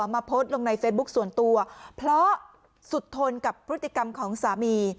มาโพสต์ลงในเฟซบุ๊คส่วนตัวเพราะสุดทนกับพฤติกรรมของสามี